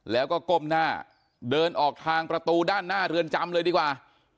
แล้วก็ก้มหน้าเดินออกทางประตูด้านหน้าเรือนจำเลยดีกว่า